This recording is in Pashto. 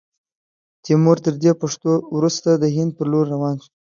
تیمور، تر دې پیښو وروسته، د هند پر لور روان سو.